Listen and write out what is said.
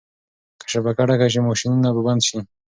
که شبکه ډکه شي ماشینونه به بند شي.